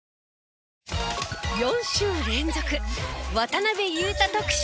４週連続渡邊雄太特集。